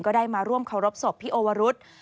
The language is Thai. ได้มาร่วมเคารพศพพี่โอวรุษ